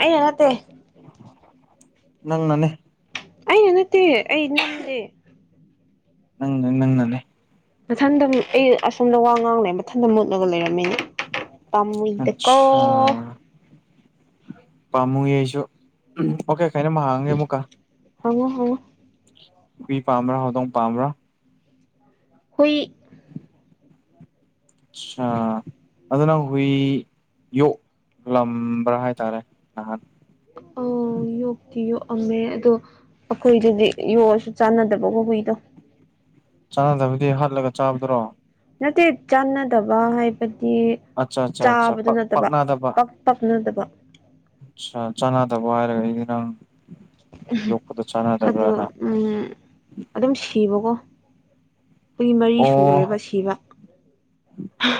ꯑꯩꯅꯥ ꯅꯠꯇꯦ ꯅꯪꯅꯅꯦ ꯑꯩꯅ ꯅꯠꯇꯦ ꯑꯩ ꯅꯠꯇꯦ ꯅꯪꯅ ꯅꯪꯅꯅꯦ ꯃꯊꯟꯗꯅꯦ ꯑꯩ ꯑꯁꯣꯝꯗ ꯋꯥ ꯉꯥꯡꯂꯦ ꯃꯊꯟꯗ ꯃꯨꯠꯂꯒ ꯂꯩꯔꯝꯃꯤ ꯄꯥꯃꯨꯏꯗꯀꯣ ꯑꯠꯁꯥ ꯄꯥꯝꯃꯨꯏ ꯑꯩꯁꯨ ꯑꯣꯀꯦ ꯀꯩꯅꯣꯝ ꯑꯃ ꯍꯥꯡꯉꯒꯦ ꯑꯃꯨꯛꯀ ꯍꯡꯉꯣ ꯍꯡꯉꯣ ꯍꯨꯏ ꯄꯥꯝꯕ꯭ꯔꯥ ꯍꯧꯗꯣꯡ ꯄꯥꯝꯕ꯭ꯔꯥ ꯍꯨꯏ ꯑꯠꯁꯥ ꯑꯗꯨ ꯅꯪ ꯍꯨꯏ ꯌꯣꯛꯂꯝꯕ꯭ꯔꯥ ꯍꯥꯏꯇꯥꯔꯦ ꯅꯍꯥꯟ ꯑꯣ ꯌꯣꯛꯇꯤ ꯌꯣꯛꯑꯝꯃꯦ ꯑꯗꯣ ꯑꯩꯈꯣꯏꯗꯗꯤ ꯌꯣꯛꯑꯁꯨ ꯆꯥꯟꯅꯗꯕꯀꯣ ꯍꯨꯏꯗꯣ ꯆꯥꯅꯗꯕꯗꯤ ꯍꯥꯠꯂꯒ ꯆꯥꯕꯗꯨꯔꯣ ꯅꯠꯇꯦ ꯆꯥꯟꯅꯗꯕ ꯍꯥꯏꯕꯗꯤ ꯑꯠꯆꯥ ꯑꯠꯆꯥ ꯑꯆꯥ ꯆꯥꯕꯗꯨ ꯄꯛ ꯅꯠꯇꯕ ꯄꯥꯛꯅꯗꯕ ꯄꯛ ꯄꯛꯅꯗꯕ ꯆꯥꯅꯗꯕ ꯍꯥꯏꯔꯒ ꯑꯩꯗꯤ ꯅꯪ ꯌꯣꯛꯄꯗꯣ ꯑꯗꯣ ꯆꯥꯟꯅꯗꯕ꯭ꯔꯅ ꯎꯝ ꯑꯗꯨꯝ ꯁꯤꯕꯀꯣ ꯍꯨꯏ ꯃꯔꯤ ꯑꯣ ꯁꯨꯒ꯭ꯔꯦꯕ ꯑꯣꯈꯦ ꯁꯤꯕ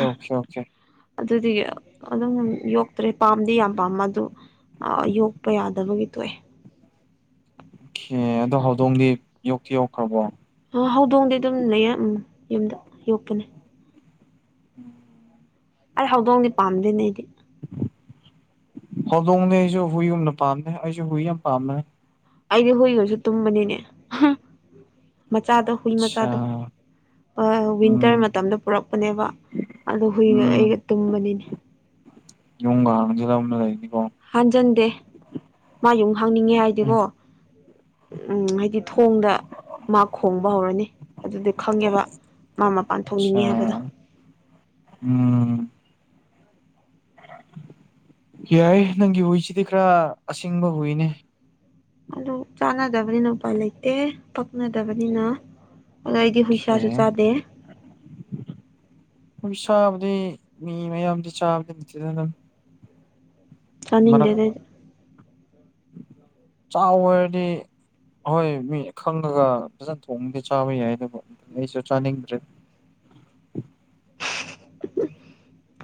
ꯑꯣꯈꯦ ꯑꯣꯈꯦ ꯑꯗꯨꯗꯤ ꯑꯗꯨꯝ ꯌꯣꯛꯇ꯭ꯔꯦ ꯄꯥꯝꯗꯤ ꯌꯥꯝ ꯄꯥꯝꯃ ꯑꯗꯨ ꯌꯣꯛꯄ ꯌꯥꯗꯕꯒꯤ ꯊꯣꯛꯑꯦ ꯑꯣꯀꯦ ꯑꯗꯣ ꯍꯧꯗꯣꯡꯗꯤ ꯌꯣꯛꯇꯤ ꯌꯣꯛꯈ꯭ꯔꯕꯣ ꯍꯧꯗꯣꯡꯗꯤ ꯑꯗꯨꯝ ꯂꯩꯌꯦ ꯌꯨꯝꯗ ꯌꯣꯛꯄꯥꯅꯤ [inaudible] ꯑꯩ ꯍꯧꯗꯣꯡꯗꯤ ꯄꯥꯝꯗꯦꯅꯦ ꯑꯩꯗꯤ ꯍꯧꯗꯣꯡꯗꯤ ꯑꯩꯁꯨ ꯍꯨꯏꯒꯨꯝꯅ ꯄꯥꯝꯗꯦ ꯑꯩꯁꯨ ꯍꯨꯏ ꯌꯥꯝ ꯄꯥꯝꯃꯦ ꯑꯩꯗꯤ ꯍꯨꯏꯒꯥꯁꯨ ꯇꯨꯝꯕꯅꯤꯅꯦ ꯃꯆꯥꯗꯣ ꯍꯨꯏ ꯑꯠꯁꯥ ꯃꯆꯥꯗꯣ ꯋꯤꯟꯇꯔ ꯎꯝ ꯃꯇꯝꯗ ꯄꯨꯔꯛꯄꯅꯦꯕ ꯑꯗ ꯍꯨꯏꯒ ꯎꯝ ꯑꯩꯒ ꯇꯨꯝꯕꯅꯤꯅꯦ ꯌꯨꯡꯒꯥꯥ ꯍꯥꯟꯖꯤꯟꯂꯝꯕꯥ ꯂꯩꯅꯤꯀꯣ ꯍꯥꯟꯖꯟꯗꯦ ꯃꯥ ꯌꯨꯡ ꯍꯪꯅꯤꯡꯉꯦ ꯍꯥꯏꯗꯤꯀꯣ ꯎꯝ ꯍꯥꯏꯗꯤ ꯊꯣꯡꯗ ꯃꯥ ꯈꯣꯡꯕ ꯍꯧꯔꯅꯤ ꯑꯗꯨꯗꯤ ꯈꯪꯉꯦꯕ ꯃꯥ ꯃꯄꯥꯟ ꯑꯆꯥ ꯊꯣꯛꯅꯤꯡꯉꯦ ꯍꯥꯏꯕꯗꯣ ꯎꯝ ꯌꯥꯏ ꯅꯪꯒꯤ ꯍꯨꯏꯁꯤꯗꯤ ꯈꯔ ꯑꯁꯤꯡꯕ ꯍꯨꯏꯅꯦ ꯑꯗꯨ ꯆꯥꯟꯅꯗꯕꯅꯤꯅ ꯎꯄꯥꯏ ꯂꯩꯇꯦ ꯄꯛꯅꯗꯕꯅꯤꯅ ꯑꯗꯣ ꯑꯩꯗꯤ ꯍꯨꯏꯁꯥꯁꯨ ꯆꯥꯗꯦ ꯍꯨꯏꯁꯥꯕꯨꯗꯤ ꯃꯤ ꯃꯌꯥꯝꯗꯤ ꯆꯥꯕꯗꯤ ꯅꯠꯇꯦꯗ ꯑꯗꯨꯝ ꯆꯥꯅꯤꯡꯗꯦꯗꯥ ꯆꯥꯎꯔꯗꯤ ꯑꯍꯣꯏ ꯃꯤ ꯈꯪꯉꯒ ꯐꯖꯅ ꯊꯣꯡꯕꯥꯗꯤ ꯆꯥꯕ ꯌꯥꯏꯕꯥꯀꯣ ꯑꯗꯨꯕꯨ ꯑꯩꯁꯨ ꯆꯥꯅꯤꯡꯗ꯭ꯔꯦ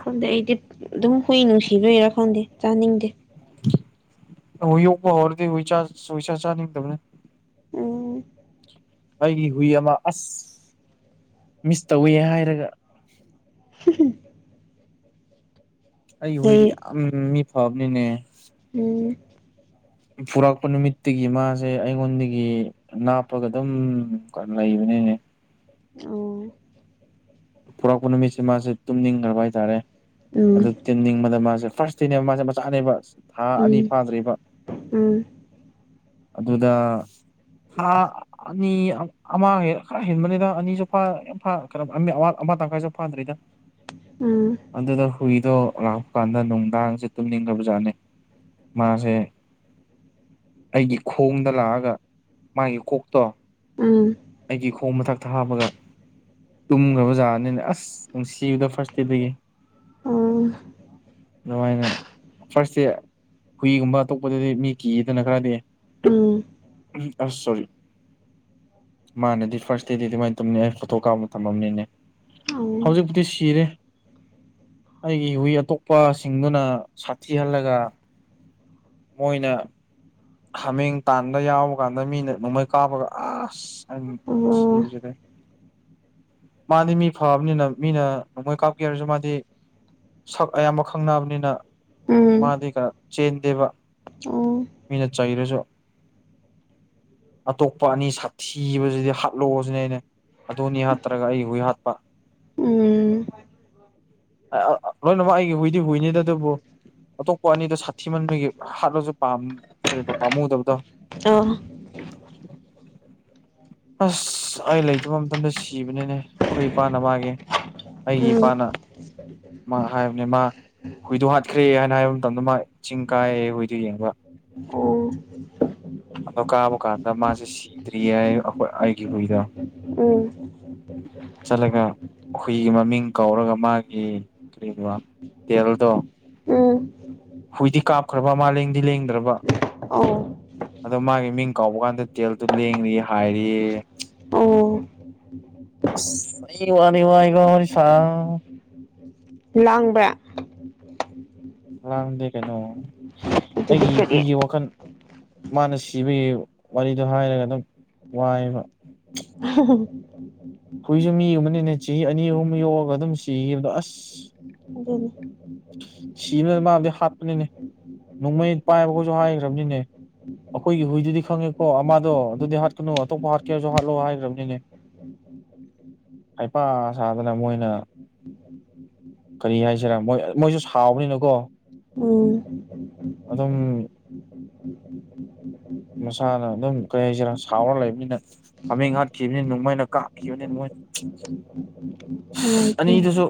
ꯈꯪꯗꯦ ꯑꯩꯗꯤ ꯑꯗꯨꯝ ꯍꯨꯏ ꯅꯨꯡꯁꯤꯗꯣꯏꯔꯥ ꯈꯪꯗꯦ ꯆꯥꯅꯤꯡꯗꯦ ꯍꯨꯏ ꯌꯣꯛꯄ ꯍꯧꯔꯗꯤ ꯍꯨꯏꯆꯥ ꯍꯨꯏꯁꯥ ꯆꯥꯅꯤꯡꯇꯕꯅꯦ ꯎꯟ ꯑꯩꯒꯤ ꯍꯨꯏ ꯑꯃ ꯑꯁ ꯃꯤꯁ ꯇꯧꯏꯦ ꯍꯥꯏꯔꯒ [unintelligible] ꯑꯩ ꯂꯩ ꯍꯨꯏꯗꯤ ꯌꯥꯝ ꯃꯤ ꯐꯕꯅꯤꯅꯦ ꯎꯝ ꯄꯨꯔꯛꯄ ꯅꯨꯃꯤꯠꯇꯒꯤ ꯃꯥꯁꯦ ꯑꯩꯉꯣꯟꯗꯒꯤ ꯅꯥꯞꯄꯒ ꯑꯗꯨꯝ ꯂꯩꯕꯅꯤꯅꯦ ꯑꯣ ꯄꯨꯔꯛꯄ ꯅꯨꯃꯤꯠꯁꯦ ꯃꯥꯁꯦ ꯇꯨꯝꯅꯤꯡꯈ꯭ꯔꯕ ꯍꯥꯏꯇꯥꯔꯦ ꯎꯝ ꯑꯗꯨ ꯇꯤꯟꯅꯤꯡꯕꯗ ꯃꯥꯁꯦ ꯐꯥꯔꯁ ꯗꯦꯅꯦꯕ ꯃꯥꯁꯦ ꯃꯆꯥꯅꯦꯕ ꯊꯥ ꯑꯅꯤ ꯎꯝ ꯐꯥꯗ꯭ꯔꯤꯕ ꯎꯝ ꯑꯗꯨꯗ ꯊꯥ ꯑꯅꯤ ꯑꯃ ꯈꯔ ꯍꯦꯟꯕꯅꯤꯅ ꯑꯅꯤꯁꯨ ꯐ ꯌꯥꯝ ꯐ ꯀꯩꯅꯣ ꯑꯋꯥꯠ ꯑꯃ ꯇꯥꯪꯈꯥꯏꯁꯨ ꯐꯥꯗ꯭ꯔꯤꯗ ꯎꯝ ꯑꯗꯨꯗ ꯍꯨꯏꯗꯣ ꯂꯥꯛꯄ ꯀꯥꯟꯗ ꯅꯨꯡꯗꯥꯡꯁꯦ ꯇꯨꯝꯅꯤꯡꯗꯕꯖꯥꯠꯅꯤ ꯃꯥꯁꯦ ꯑꯩꯒꯤ ꯈꯣꯡꯗ ꯂꯥꯛꯑꯒ ꯃꯥꯒꯤ ꯀꯣꯛꯇꯣ ꯎꯝ ꯑꯩꯒꯤ ꯈꯣꯡ ꯃꯊꯛꯇ ꯍꯥꯞꯄꯒ ꯇꯨꯝꯈ꯭ꯔꯕꯖꯥꯠꯔꯅꯤꯅꯦ ꯑꯁ ꯅꯨꯡꯁꯤꯕꯗꯣ ꯐꯥꯔꯁ ꯗꯦꯗꯒꯤ ꯎꯟ ꯑꯗꯨꯃꯥꯏꯅ ꯐꯥꯔꯁꯁꯦ ꯍꯨꯏꯒꯨꯝꯕ ꯑꯇꯣꯞꯄꯗꯗꯤ ꯃꯤ ꯀꯤꯌꯦꯗꯅ ꯈꯔꯗꯤ ꯎꯟ ꯎꯝ ꯑ ꯁꯣꯔꯤ ꯃꯥꯥꯟꯅꯗꯤ ꯐꯥꯔꯁ ꯗꯦꯗꯤ ꯑꯗꯨꯃꯥꯏꯅ ꯇꯧꯅꯤ ꯑꯩ ꯐꯣꯇꯣ ꯀꯥꯞ ꯊꯝꯃꯅꯤꯅꯦ ꯑꯣ ꯎꯝ ꯑꯣ ꯎꯝ ꯍꯧꯖꯤꯛꯄꯨꯗꯤ ꯁꯤꯔꯦ ꯑꯩꯒꯤ ꯍꯨꯏ ꯑꯇꯣꯞꯄꯁꯤꯡꯗꯨꯅ ꯁꯥꯊꯤꯍꯜꯂꯒ ꯃꯣꯏꯅ ꯍꯥꯃꯦꯡ ꯇꯥꯟꯕ ꯌꯥꯎꯕ ꯀꯥꯟꯗ ꯃꯤꯅ ꯅꯣꯡꯃꯩ ꯀꯥꯞꯄꯒ ꯑꯁ ꯑ ꯆꯦꯖ ꯀꯔꯤ [unintelligible] ꯃꯥꯗꯤ ꯃꯤ ꯐꯕꯅꯤꯅ ꯃꯤꯅ ꯅꯣꯡꯃꯩ ꯀꯥꯞꯀꯦ ꯍꯥꯏꯔꯁꯨ ꯃꯥꯗꯤ ꯁꯛ ꯑꯌꯥꯝꯕ ꯈꯪꯅꯕꯅꯤꯅ ꯃꯥꯗꯤ ꯀꯩꯅꯣ ꯆꯦꯟꯗꯦꯕ ꯑꯣ ꯃꯤꯅ ꯆꯩꯔꯁꯨ ꯑꯇꯣꯞꯄ ꯑꯅꯤ ꯁꯥꯊꯤꯕꯁꯤꯗꯤ ꯍꯥꯠꯂꯣ ꯁꯤꯅꯦ ꯑꯩꯅ ꯑꯗꯨꯅꯤ ꯍꯥꯠꯇ꯭ꯔꯒ ꯑꯩ ꯍꯨꯏ ꯍꯥꯠꯄ ꯂꯣꯏꯅꯃꯛ ꯑꯩꯒꯤ ꯍꯨꯏꯗꯤ ꯍꯨꯏꯅꯤꯗ ꯑꯗꯨꯕꯨ ꯑꯇꯣꯞꯄ ꯑꯅꯤꯗ ꯁꯥꯊꯤ ꯃꯟꯕꯒꯤ ꯍꯥꯠꯂꯁꯨꯥꯝ ꯀꯔꯤ ꯄꯥꯝꯃꯨꯗꯕꯗꯣ ꯑꯣ ꯑꯁ ꯑꯩ ꯂꯩꯇꯕ ꯃꯇꯝꯗ ꯁꯤꯕꯅꯤꯅꯦ ꯑꯩꯈꯣꯏ ꯏꯄꯥꯅ ꯃꯥꯒꯤꯦ ꯑꯩꯒꯤ ꯏꯄꯥꯅ ꯃꯥ ꯍꯥꯏꯕꯅꯦ ꯃꯥ [unintelligible] ꯍꯨꯏꯗꯣ ꯍꯥꯠꯈ꯭ꯔꯦ ꯍꯥꯏꯅ ꯍꯥꯏꯕ ꯃꯇꯝꯗ ꯃꯥ ꯆꯤꯡ ꯀꯥꯏꯌꯦ ꯍꯨꯏꯗꯣ ꯌꯦꯡꯉꯕ ꯑꯣ ꯑꯗꯣ ꯀꯥꯕ ꯀꯥꯟꯗ ꯃꯥꯁꯦ ꯁꯤꯗ꯭ꯔꯤꯌꯦ ꯍꯥꯏꯌꯦ ꯑꯩꯒꯤ ꯍꯨꯏꯗꯣ [unintelligible] ꯆꯠꯂꯒ ꯍꯨꯏ ꯃꯃꯤꯡ ꯀꯧꯔꯒ ꯃꯥꯒꯤ ꯀꯔꯤꯕ ꯇꯦꯜꯗꯣ ꯎꯝ ꯍꯨꯏꯗꯤ ꯀꯥꯞꯈ꯭ꯔꯕ ꯃꯥꯂꯦꯡꯗꯤ ꯂꯦꯡꯗ꯭ꯔꯕ ꯑꯣ ꯑꯗꯣ ꯃꯥꯒꯤ ꯃꯤꯡ ꯀꯧꯕ ꯀꯥꯟꯗ ꯇꯦꯜꯗꯣ ꯂꯦꯡꯂꯦ ꯍꯥꯏꯔꯤ ꯑꯣ ꯑꯁ ꯑꯩ ꯋꯥꯅꯤ ꯋꯥꯏꯀꯣ ꯋꯥꯔꯤ ꯁꯥ ꯂꯥꯡꯕ꯭ꯔꯥ ꯂꯥꯡꯗꯦ ꯀꯩꯅꯣ ꯑꯗꯨꯗꯤ ꯑꯩꯒꯤ ꯀꯔꯤ ꯍꯨꯏꯒꯤ ꯋꯥꯈꯜ ꯃꯥꯅ ꯁꯤꯕꯒꯤ ꯋꯥꯔꯤꯗꯣ ꯍꯥꯏꯔꯒ ꯑꯗꯨꯝ ꯋꯥꯏꯕ [unintelligible] ꯍꯨꯏꯁꯨ ꯃꯤꯒꯨꯝꯕꯅꯤꯅꯦ ꯆꯍꯤ ꯑꯅꯤ ꯑꯍꯨꯝ ꯌꯣꯛꯑꯒ ꯑꯗꯨꯝ ꯁꯤꯒꯤꯕꯗꯣ ꯑꯁ ꯑꯗꯨꯅꯤ ꯁꯤꯕꯅ ꯃꯥꯕꯨꯗꯤ ꯍꯥꯠꯄꯅꯤꯅꯦ ꯅꯣꯡꯃꯩ ꯄꯥꯏꯕꯈꯣꯏꯁꯨ ꯍꯥꯏꯈ꯭ꯔꯕꯅꯤꯅꯦ ꯑꯩꯈꯣꯏꯒꯤ ꯍꯨꯏꯗꯨꯗꯤ ꯈꯪꯉꯦꯀꯣ ꯑꯃꯗꯣ ꯑꯗꯨꯗꯤ ꯍꯥꯠꯀꯅꯨ ꯑꯇꯣꯞꯄ ꯍꯥꯠꯀꯦꯁꯨ ꯍꯥꯠꯂꯣ ꯍꯥꯏꯈ꯭ꯔꯕꯅꯤꯅꯦ [inaudible] ꯍꯩꯄꯥ ꯁꯥꯗꯅ ꯃꯣꯏꯅ ꯀꯔꯤ ꯍꯥꯏꯁꯤꯔꯥ ꯃꯣꯏ ꯃꯣꯏꯁꯨ ꯁꯥꯎꯕꯅꯤꯅꯀꯣ ꯎꯝ ꯑꯗꯨꯝ [unintelligible] ꯃꯁꯥꯅ ꯑꯗꯨꯝ ꯀꯔꯤ ꯍꯥꯏꯁꯤꯔꯥ ꯁꯥꯎꯔ ꯂꯩꯕꯅꯤꯅ ꯍꯥꯃꯦꯡ ꯍꯥꯠꯈꯤꯕꯅꯤ ꯅꯨꯡ ꯃꯣꯏꯅ ꯀꯥꯞꯈꯤꯕꯅꯤ ꯅ ꯃꯣꯏꯅ [unintelligible] ꯅꯨꯡꯉꯥꯏꯇꯣꯏꯅꯦ ꯑꯅꯤꯗꯨꯁꯨ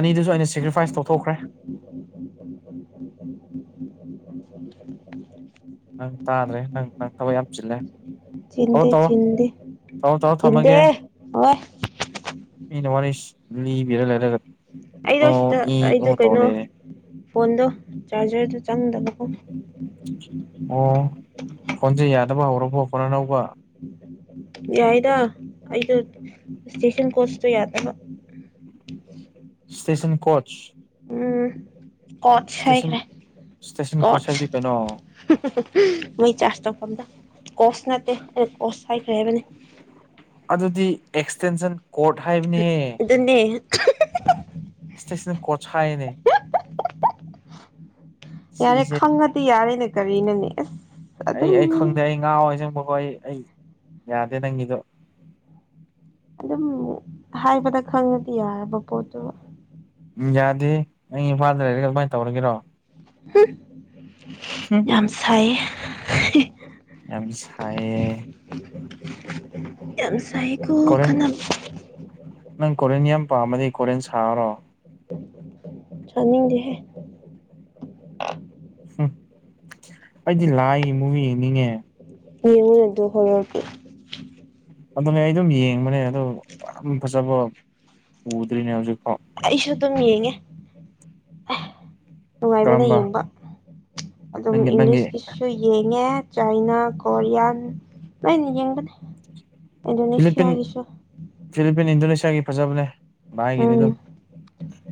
ꯑꯅꯤꯗꯨꯁꯨ ꯑꯩꯅ ꯁꯦꯀ꯭ꯔꯤꯐꯥꯏꯁ ꯇꯧꯊꯣꯛꯈ꯭ꯔꯦ [unintelligible] ꯅꯪ ꯇꯥꯗ꯭ꯔꯦ ꯅꯪ ꯅꯪ ꯊꯕꯛ ꯌꯥꯝ ꯆꯤꯜꯂꯦ ꯇꯧꯔꯣ ꯆꯤꯟꯗꯦ ꯇꯧꯔꯣ ꯆꯤꯟꯗꯦ ꯇꯧꯔꯣ ꯇꯧꯔꯣ ꯆꯤꯟꯗꯦ ꯊꯝꯃꯒꯦ ꯑ ꯃꯤꯅ ꯋꯥꯔꯤ ꯂꯤꯕꯤꯔ ꯂꯩꯔꯒ ꯑꯩꯗꯣ ꯑꯣ ꯁꯤꯗ ꯏ ꯑꯩꯗꯣ ꯑꯣ ꯇꯧ ꯀꯩꯅꯣ ꯂꯩꯔꯦ ꯐꯣꯟꯗꯣ ꯆꯥꯔꯖꯔꯗ ꯆꯪꯗꯕ ꯀꯣ ꯑꯣ ꯐꯣꯟꯖꯦ ꯌꯥꯗꯕ ꯍꯧꯔꯕꯣ ꯐꯣꯟꯅ ꯑꯅꯧꯕ ꯌꯥꯏꯗ ꯑꯩꯗꯣ ꯁꯇꯦꯁꯟ ꯀꯣꯁꯇ ꯌꯥꯗꯕ ꯏꯁꯇꯦꯁꯟ ꯀꯣꯆ ꯎꯝ ꯀꯣꯠꯁ ꯏꯁꯇꯦꯁꯟ ꯍꯥꯏꯈ꯭ꯔꯦ ꯏꯁꯇꯦꯁꯟ ꯀꯣꯠꯁ ꯍꯥꯏꯕꯗꯤ ꯀꯩꯅꯣ ꯃꯩ ꯆꯥꯔꯖ ꯇꯧꯐꯝꯗ ꯀꯣꯁ ꯅꯠꯇꯦ ꯑꯩ ꯀꯣꯁ ꯍꯥꯏꯈ꯭ꯔꯦ ꯍꯥꯏꯕꯅꯤ ꯑꯗꯨꯗꯤ ꯑꯦꯛꯁꯇꯦꯟꯁꯟ ꯀꯣꯔꯠ ꯍꯥꯏꯕꯅꯦꯍꯦ ꯑꯗꯨꯅꯦ [unintelligible] ꯏꯁꯇꯦꯁꯅꯦꯜ ꯀꯣꯆ ꯍꯥꯏꯅꯦ ꯌꯥꯔꯦ ꯁꯤꯁꯦ ꯈꯪꯉꯗꯤ ꯌꯥꯔꯦꯅꯦ ꯀꯔꯤꯅꯣꯅꯦ ꯑꯁ ꯑꯩ ꯑꯗꯨꯝ ꯑꯩ ꯈꯪꯗꯦ ꯑꯩ ꯉꯥꯎꯋꯦ ꯑꯁꯦꯡꯕ ꯑꯩ ꯑꯩ ꯌꯥꯗꯦ ꯅꯪꯒꯤꯗꯣ ꯑꯗꯨꯝ ꯍꯥꯏꯕꯗ ꯈꯪꯉꯗꯤ ꯌꯥꯔꯕ ꯄꯣꯠꯇꯣ ꯎꯝ ꯌꯥꯗꯦ ꯑꯩꯪ ꯏꯝꯐꯥꯜꯗ ꯂꯩꯔꯒ ꯀꯃꯥꯏꯅ ꯇꯧꯔꯒꯦꯔꯣ ꯍꯨꯝ ꯍꯨꯝ ꯌꯥꯝ ꯁꯥꯏꯌꯦ ꯌꯥꯝ ꯁꯥꯏꯌꯦ ꯌꯥꯝ ꯁꯥꯏꯀꯣ ꯀꯣꯔꯤꯌꯟ ꯈꯥꯅꯕ ꯅꯪ ꯀꯣꯔꯤꯌꯟ ꯌꯥꯝ ꯄꯥꯝꯃꯗꯤ ꯀꯣꯔꯤꯌꯟ ꯁꯥꯔꯣ ꯁꯥꯅꯤꯡꯗꯦꯍꯦ ꯍꯨꯝ ꯑꯩꯗꯤ ꯂꯥꯏꯒꯤ ꯃꯨꯕꯤ ꯌꯦꯡꯅꯤꯡꯉꯦ꯫ ꯌꯦꯡꯉꯨꯅ ꯑꯗꯨ ꯍꯣꯔꯣꯔꯒꯤ꯫ ꯑꯗꯨꯅꯦ ꯑꯩ ꯑꯗꯨꯝ ꯌꯦꯡꯕꯅꯦ ꯑꯗꯣ ꯌꯥꯝ ꯐꯖꯕ ꯎꯗ꯭ꯔꯤꯅꯦ ꯍꯧꯖꯤꯛꯐꯥꯎ꯫ ꯑꯩꯁꯨ ꯑꯗꯨꯝ ꯌꯦꯡꯉꯦ ꯑꯦ ꯅꯨꯡꯉꯥꯏꯕꯅꯦ ꯀꯔꯝꯕ ꯌꯦꯡꯕ꯫ ꯑꯗꯨꯝ ꯅꯪꯒꯤ ꯅꯪꯒꯤ ꯏꯪꯂꯤꯁꯀꯤ ꯁꯨ ꯌꯦꯡꯉꯦ ꯆꯥꯏꯅꯥ ꯀꯣꯔꯤꯌꯥꯟ ꯂꯣꯏꯅ ꯌꯦꯡꯕꯅꯦ꯫ ꯐꯤꯂꯤꯄꯤꯟ ꯏꯟꯗꯣꯅꯦꯁꯤꯌꯥꯒꯤꯁꯨ꯫ ꯐꯤꯂꯤꯄꯤꯟ ꯏꯟꯗꯣꯅꯦꯁꯤꯌꯥꯒꯤ ꯐꯖꯕꯅꯦ꯫ ꯚꯥꯏꯒꯤꯗꯤ ꯎꯝ ꯑꯗꯨꯝ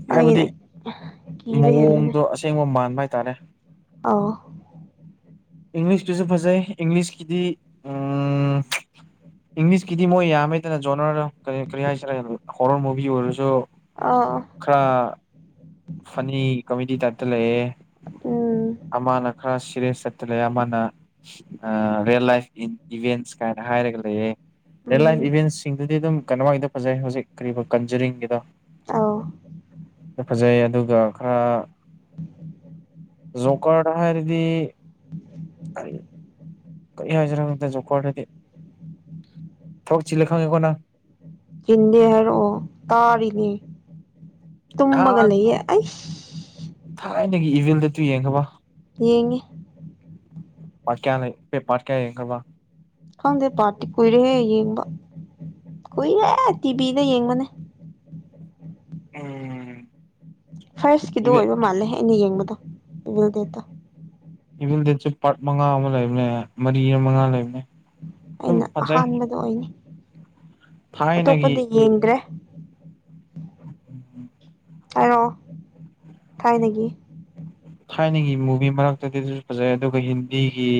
ꯃꯣꯏꯒꯤꯅ ꯍꯥꯏꯕꯗꯤ ꯀꯤꯕ ꯍꯦꯟꯕꯅꯦ ꯃꯑꯣꯡꯗꯣ ꯑ ꯁꯦꯡꯕ ꯃꯥꯟꯕ ꯍꯥꯏꯇꯥꯔꯦ꯫ ꯑꯧ꯫ ꯏꯪꯂꯤꯁꯀꯤꯁꯨ ꯐꯖꯩ ꯏꯪꯂꯤꯁꯀꯤꯗꯤ ꯑ꯫ ꯏꯪꯂꯤꯁꯀꯤꯗꯤ ꯃꯣꯏ ꯌꯥꯝꯃꯦꯗꯅ ꯖꯣꯅ꯭ꯔꯗꯣ ꯀꯔꯤ ꯀꯔꯤ ꯍꯥꯏꯁꯦꯔꯥ ꯍꯣꯔꯣꯔ ꯃꯨꯚꯤ ꯑꯣꯏꯔꯁꯨ꯫ ꯑꯧ꯫ ꯈꯔ ꯐꯅꯤ ꯀꯣꯃꯦꯗꯤ ꯇꯥꯏꯞꯇ ꯂꯩꯑꯦ ꯎꯝ ꯑꯃꯅ ꯈꯔ ꯁꯤꯔꯦꯁ ꯆꯠꯇ ꯂꯩ ꯑꯃꯅ ꯑ ꯔꯤꯌꯦꯜ ꯂꯥꯏꯐ ꯏ-ꯏꯚꯦꯟꯁ ꯀꯥꯏꯅ ꯍꯥꯏꯔꯒ ꯂꯩꯌꯦ꯫ ꯔꯤꯌꯦꯜ ꯂꯥꯏꯐ ꯎꯝ ꯏꯚꯦꯟꯁꯤꯡꯗꯨꯗꯤ ꯑꯗꯨꯝ ꯀꯩꯅꯣꯃꯒꯤꯗ ꯐꯖꯩ ꯍꯧꯖꯤꯛ ꯀꯔꯤꯕ ꯀꯟꯖꯨꯔꯤꯡꯒꯤꯗꯣ꯫ ꯑꯧ꯫ ꯐꯖꯩ ꯑꯗꯨꯒ ꯈꯔ ꯖꯣꯀꯔꯗ ꯍꯥꯏꯔꯗꯤ [unintelligible] ꯀꯔꯤ ꯍꯥꯏꯁꯦꯔꯥ ꯈꯪꯗꯦ ꯖꯣꯀ꯭ꯔꯗꯗꯤ ꯊꯕꯛ ꯆꯤꯜꯂꯦ ꯈꯪꯉꯦꯀꯣ ꯅꯪ꯫ ꯆꯤꯟꯗꯦ ꯍꯥꯏꯔꯛ ꯑꯣ ꯇꯥꯔꯤꯅꯦ꯫ ꯇꯨꯝꯃꯒ ꯅꯍꯥꯟ ꯂꯩꯌꯦ ꯑꯩꯁ ꯊꯥꯏꯅꯒꯤ ꯏꯚꯤꯜ ꯗꯦꯠ ꯇꯨ ꯌꯦꯡꯈꯕ꯫ ꯌꯦꯡꯉꯦ꯫ ꯄꯥꯔꯠ ꯀꯌꯥ ꯂꯩ ꯄꯦ ꯄꯥꯔꯠ ꯀꯌꯥ ꯌꯦꯡꯈꯔꯕ꯫ ꯈꯪꯗꯦ ꯄꯥꯔꯠꯇꯤ ꯀꯨꯏꯔꯦꯍꯦ ꯌꯦꯡꯕ ꯀꯨꯏꯔꯦ ꯇꯤꯚꯤꯗ ꯌꯦꯡꯕꯅꯦ꯫ ꯎꯝ꯫ ꯐ꯭ꯔꯁꯀꯤꯗꯣ ꯏꯚꯤꯜ ꯑꯣꯏꯕ ꯃꯥꯜꯂꯦ ꯑꯩꯅ ꯌꯦꯡꯕꯗꯣ ꯏꯚꯤꯜ ꯗꯦꯠꯇꯣ꯫ ꯏꯚꯤꯜ ꯗꯦꯠꯁꯨ ꯄꯥꯔꯠ ꯃꯉꯥ ꯑꯃ ꯂꯩꯕꯅꯦ ꯃꯔꯤꯔ ꯃꯉꯥ ꯂꯩꯕꯅꯦ꯫ ꯑꯗꯨꯝ ꯑꯩꯅ ꯐꯖꯩ ꯑꯍꯥꯟꯕꯗꯣ ꯑꯣꯏꯅꯤ ꯊꯥꯏꯅꯒꯤ ꯑꯇꯣꯞꯄꯗꯤ ꯌꯦꯡꯗ꯭ꯔꯦ꯫ [inaudible] [unintelligible] ꯍꯥꯏꯔꯛꯑꯣ ꯊꯥꯏꯅꯒꯤ꯫ ꯊꯥꯏꯅꯒꯤ ꯃꯨꯚꯤ ꯃꯔꯛꯇꯗꯤ ꯑꯗꯨꯁꯨ ꯐꯖꯩ ꯑꯗꯨꯒ ꯍꯤꯟꯗꯤꯒꯤ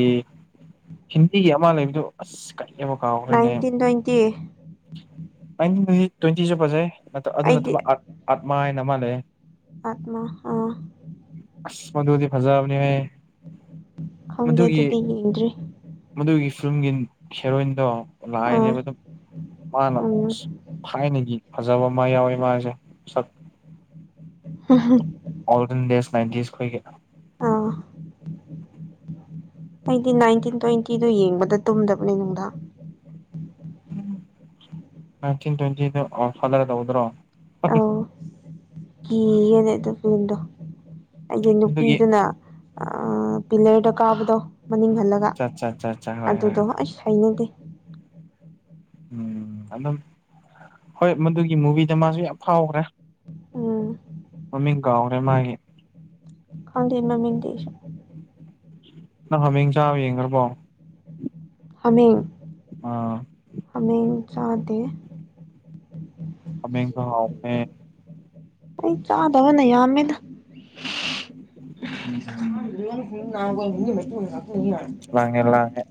ꯍꯤꯟꯗꯤꯒꯤ ꯑꯃ ꯂꯩꯕꯗꯨ ꯑꯁ ꯀꯔꯤ [unintelligible] ꯅꯥꯏꯟꯇꯤꯟ ꯇ꯭ꯋꯦꯟꯇꯤ꯫ ꯅꯥꯏꯇꯤꯟ [unintelligible] ꯇ꯭ꯋꯦꯟꯇꯤꯁꯨ ꯐꯖꯩ ꯑꯗ ꯑꯗꯨ ꯑꯩꯗꯤ ꯅꯠꯇꯕ ꯑꯥꯠ ꯑꯥꯠꯃꯥ ꯍꯥꯏꯅ ꯂꯩꯑꯦ꯫ ꯑꯥꯠꯃꯥ ꯑꯥ꯫ ꯑꯁ ꯃꯗꯨꯗꯤ ꯐꯖꯕꯅꯤ ꯍꯦ꯫ ꯈꯪꯗꯦ ꯑꯗꯨꯗꯤ ꯌꯦꯡꯗ꯭ꯔꯤ꯫ ꯃꯗꯨꯒꯤ ꯐꯤꯂꯝꯒꯤ ꯍꯦꯔꯣꯏꯟꯗꯣ ꯑꯥ ꯂꯥꯏꯅꯦꯕ ꯑꯗꯨꯝ ꯃꯥꯅ ꯎꯝ ꯑꯁ ꯊꯥꯏꯅꯒꯤ ꯐꯖꯕ ꯑꯃ ꯌꯥꯎꯋꯦ ꯃꯥꯁꯦ ꯁꯛ ꯍꯥ ꯍꯥ꯫ ꯑꯣꯜꯗꯦꯁ ꯅꯥꯏꯟꯇꯤꯁꯈꯣꯏꯒꯤ ꯑꯣ ꯑꯩꯗꯤ ꯅꯥꯏꯇꯤꯟ ꯇ꯭ꯋꯦꯟꯇꯤꯗꯨ ꯌꯦꯡꯕꯗ ꯇꯨꯝꯗꯕꯅꯦ ꯅꯨꯡꯗꯥꯡ ꯅꯥꯏꯇꯤꯟ ꯇ꯭ꯋꯦꯟꯇꯤꯗꯣ ꯑꯋꯥꯔ ꯐꯥꯗꯔ ꯇꯧꯕꯗꯨꯔꯣ ꯑꯧ ꯀꯤꯌꯦꯅꯦ ꯑꯗꯨ ꯐꯤꯂꯝꯗꯣ ꯑꯩꯒꯤ ꯑꯗꯨꯒꯤ ꯅꯨꯄꯤꯗꯨꯅ ꯑꯥ ꯄꯤꯂꯔꯗ ꯀꯥꯕꯗꯣ ꯃꯅꯤꯡ ꯍꯥꯜꯂ ꯒ ꯆꯠ ꯆꯠ ꯆꯠ ꯆꯠ ꯍꯣꯏ ꯍꯣꯏ ꯑꯗꯨꯗꯣ ꯑꯁ ꯍꯩꯅꯗꯦ ꯎꯝ ꯑꯗꯨꯝ ꯍꯣꯏ ꯃꯗꯨꯒꯤ ꯃꯨꯕꯤꯗ ꯃꯥꯁꯨ ꯌꯥꯝ ꯐꯥꯎꯒ꯭ꯔꯦ ꯑꯝ ꯃꯃꯤꯡ ꯀꯥꯎꯒ꯭ꯔꯦ ꯃꯥꯒꯤ ꯈꯪꯗꯦ ꯃꯃꯤꯡꯗꯤ ꯑꯩꯁꯨ ꯅꯪ ꯍꯥꯃꯦꯡ ꯆꯥꯕ ꯌꯦꯡꯒ꯭ꯔꯕꯣ ꯍꯥꯃꯦꯡ ꯑꯥ ꯍꯥꯃꯦꯡ ꯆꯥꯗꯦ ꯍꯥꯃꯦꯡ ꯗꯣ ꯍꯥꯎꯕꯅꯦ ꯑꯩ ꯆꯥꯗꯕꯅ ꯌꯥꯝꯃꯦꯗ ꯎꯝ [unintelligible] [unintelligible] ꯎꯝ ꯂꯥꯡꯉꯦ ꯂꯥꯡꯉꯦ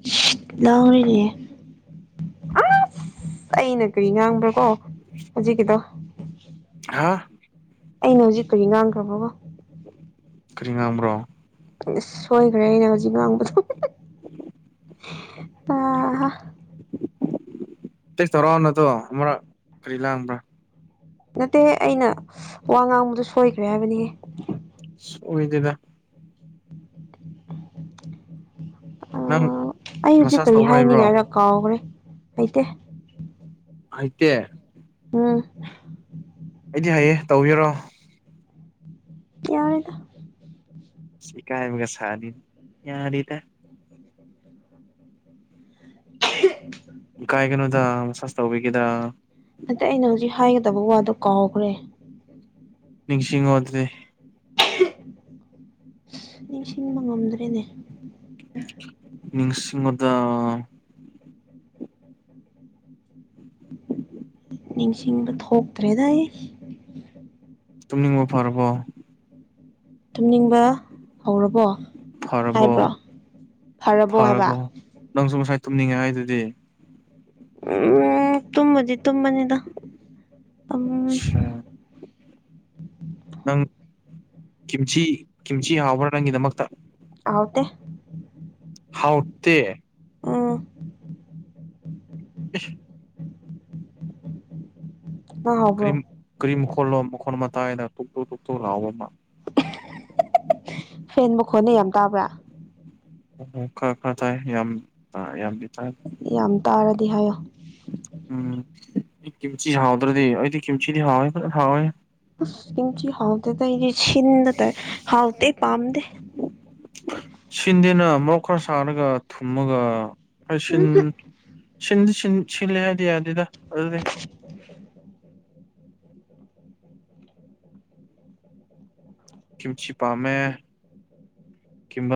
ꯑꯩꯅ ꯀꯔꯤ ꯉꯥꯡꯕ꯭ꯔꯥ ꯀꯣ ꯍꯧꯖꯤꯛꯀꯤꯗꯣ ꯍꯥꯥ ꯑꯩꯅ ꯍꯧꯖꯤꯛ ꯀꯔꯤ ꯉꯥꯡꯈ꯭ꯔꯥꯕꯒꯣ ꯀꯔꯤ ꯉꯥꯡꯕ꯭ꯔꯣ ꯑꯁ ꯁꯣꯏꯒ꯭ꯔꯦ ꯑꯩꯅ ꯍꯧꯖꯤꯛ ꯉꯥꯡꯕꯗꯣ [inaudible] ꯑꯥ ꯍꯥ ꯇꯦꯁ ꯇꯧꯔꯣꯅꯗꯣ ꯑꯃꯨꯔꯛ ꯀꯔꯤ ꯂꯥꯡꯕ꯭ꯔꯥ ꯅꯠꯇꯦꯍꯦ ꯑꯩꯅ ꯋꯥ ꯉꯥꯡꯕꯗꯨ ꯁꯣꯏꯈ꯭ꯔꯦ ꯍꯥꯏꯕꯅꯦ ꯍꯦ ꯑꯣꯏꯗꯦꯗ ꯅꯪ ꯑꯥ ꯑꯩ ꯍꯧꯖꯤꯛ ꯃꯁꯥꯁ ꯀꯔꯤ ꯇꯧꯕ ꯍꯩꯕ꯭ꯔꯣ ꯍꯥꯏꯅꯤꯡꯉꯥꯏꯔ ꯀꯥꯎꯒ꯭ꯔꯦ ꯂꯩꯇꯦ ꯍꯩꯇꯦ ꯑꯝ ꯑꯩꯗꯤ ꯍꯩꯌꯦ ꯇꯧꯕꯤꯌꯨꯔꯣ ꯌꯔꯦꯗꯥ ꯏꯁ ꯏꯀꯥꯏꯕꯒ ꯁꯥꯔꯤ ꯌꯥꯔꯦꯗ [unintelligible] ꯀꯥꯏꯒꯅꯨꯗ ꯃꯁꯥꯥꯁ ꯇꯧꯕꯤꯒꯦꯗ ꯑꯇꯦ ꯑꯩꯅ ꯍꯧꯖꯤꯛ ꯍꯥꯏꯒꯗꯕ ꯋꯥꯗꯣ ꯀꯥꯎꯈ꯭ꯔꯦ ꯅꯤꯡꯁꯤꯡꯉꯣ ꯑꯗꯨꯗꯤ ꯅꯤꯡꯁꯤꯡꯕ ꯉꯝꯗ꯭ꯔꯦꯅꯦ ꯅꯤꯡꯁꯤꯡꯉꯣꯗ ꯅꯤꯡꯁꯤꯡꯕ ꯊꯣꯛꯇ꯭ꯔꯦꯗ ꯑꯩ ꯇꯨꯝꯅꯤꯡꯕ ꯐꯔꯕꯣ ꯊꯨꯝꯅꯤꯡꯕ ꯍꯧꯔꯕꯣ ꯍꯥꯏꯕ꯭ꯔꯣ ꯐꯔꯕꯣ ꯐꯔꯕꯣ ꯍꯥꯏꯕ ꯅꯪꯁꯨ ꯉꯁꯥꯏ ꯇꯨꯝꯅꯤꯡꯉꯦ ꯍꯥꯏꯗꯨꯗꯤ ꯎꯝ ꯇꯨꯝꯃꯗꯤ ꯇꯨꯝꯃꯅꯤꯗ ꯎꯝ ꯅꯪ ꯀꯤꯝꯆꯤ ꯀꯤꯝꯆꯤ ꯍꯥꯎꯕ꯭ꯔꯥ ꯅꯪꯒꯤꯗꯃꯛꯇ ꯍꯥꯎꯇꯦ ꯍꯥꯎꯇꯦ ꯎꯝ [unintelligible] ꯅꯪ ꯍꯥꯎꯕ꯭ꯔꯣ ꯀꯔꯤ ꯀꯔꯤ ꯃꯈꯣꯟꯂꯣ ꯃꯈꯣꯜ ꯑꯃ ꯇꯥꯏꯗ ꯇꯣꯛꯇꯣ ꯇꯣꯛꯇꯨ ꯂꯥꯎꯕ ꯑꯃ ꯐꯦꯟ ꯃꯈꯣꯟꯅꯦ ꯌꯥꯝ ꯇꯥꯕ꯭ꯔꯥ ꯑꯣ ꯈꯔ ꯈꯔ ꯇꯥꯏ ꯌꯥꯝ ꯌꯥꯝꯗꯤ ꯇꯥꯗꯦ ꯌꯥꯝ ꯇꯥꯔꯗꯤ ꯍꯥꯏꯌꯣ ꯎꯝ ꯑꯩ ꯀꯤꯝꯆꯤ ꯍꯥꯎꯗ꯭ꯔꯗꯤ ꯑꯩꯗꯤ ꯀꯤꯝꯆꯤꯗꯤ ꯍꯥꯎꯋꯦ ꯐꯖꯅ ꯍꯥꯎꯋꯦ ꯀꯤꯝꯆꯤ ꯍꯥꯎꯇꯦꯗꯥ ꯑꯩꯗꯤ ꯁꯤꯟꯅꯇ ꯍꯥꯎꯇꯦ ꯄꯥꯝꯗꯦ ꯁꯤꯟꯗꯦꯅ ꯃꯔꯣꯛ ꯈꯔ ꯁꯥꯔꯒ ꯊꯨꯝꯃꯒ ꯈꯔ ꯎꯝ ꯁꯤꯟ ꯁꯤꯟꯗꯤ ꯁꯤꯜ ꯁꯤꯜꯂꯦ ꯍꯥꯏꯗꯤ ꯌꯥꯗꯦꯗ ꯑꯗꯨꯗꯤ [unintelligible] ꯀꯤꯝꯆꯤ ꯄꯥꯝꯃꯦ ꯀꯤꯝ